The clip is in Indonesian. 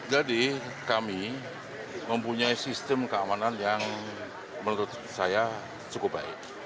jadi kami mempunyai sistem keamanan yang menurut saya cukup baik